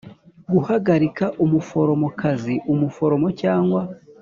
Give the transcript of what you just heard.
Guhagarika umuforomokazi umuforomo cyangwa